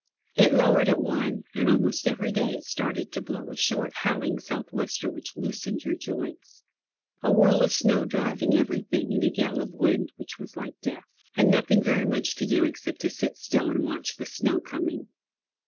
It lowered at one, and almost every day it started to blow a short, howling south wester which loosened your joints. A whirl of snow driving everywhere in a yell of wind which was like death. And nothing very much to do except to sit still to watch the snow coming.